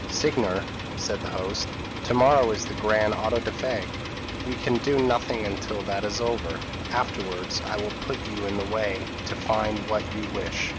"Signor," said the host, "to morrow is the grand auto da fe; we can do nothing until that is over; afterwards, I will put you in the way to find out what you wish.